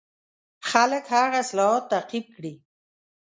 خلک هغه اصلاحات تعقیب کړي.